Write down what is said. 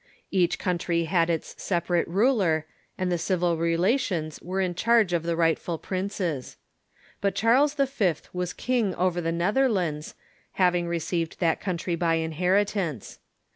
Each country had its separate ruler, and the civil relations were in charge of the rightful princes. But Charles V. Avas king over the Netherlands, having received that country by inheritance.